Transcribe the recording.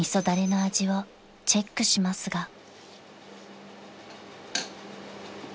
だれの味をチェックしますが］